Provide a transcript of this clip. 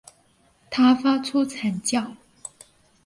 他发出惨叫